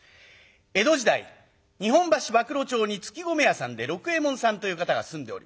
江戸時代日本橋馬喰町に搗米屋さんで六右衛門さんという方が住んでおります。